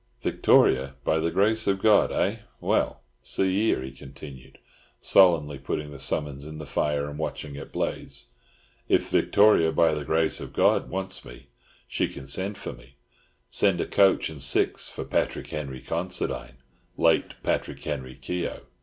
"Victoria by the Grace of God, eh? Well, see here," he continued, solemnly putting the summons in the fire and watching it blaze, "if Victoria by the Grace of God wants me, she can send for me—send a coach and six for Patrick Henry Considine, late Patrick Henry Keogh!